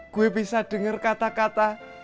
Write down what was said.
gue bisa dengar kata kata